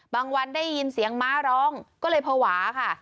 วันได้ยินเสียงม้าร้องก็เลยภาวะค่ะ